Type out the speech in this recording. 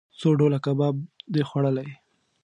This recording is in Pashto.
څو ډوله کباب د خوړلئ؟